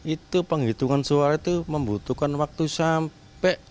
itu penghitungan suara itu membutuhkan waktu sampai